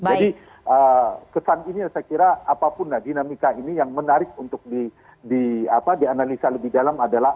jadi kesan ini saya kira apapun dinamika ini yang menarik untuk dianalisa lebih dalam adalah